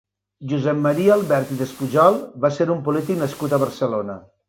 Josep Maria Albert i Despujol va ser un polític nascut a Barcelona.